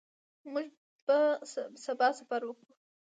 موږ به سبا سفر وکړو.